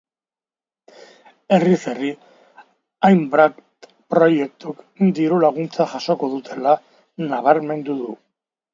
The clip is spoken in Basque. Herriz herri hainbat proiektuk diru-laguntza jasoko dutela nabarmendu du.